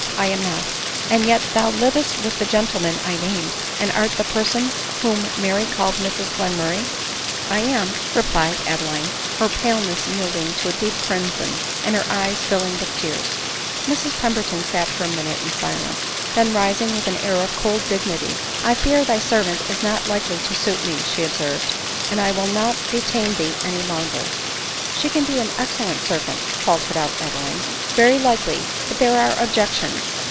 ," I am not," " And yet thou livest with the gentleman i named, and art die person whom Mary called Mrs Glen murray ?"" I am," replied Adeline, her paleness yielding to a deep crimson, and her eyes filling with tears. Mrs Pemberton sat for a minute in silence; then rising with an air of cold dignity, " I fear thy servant is not likely to suit me," she observed, " and I will not de tain thee any longer." 144 ADELINE MOWBRAY. " She can be an excellent servant," faltered out Ad line. #" Very likely — but there are objections."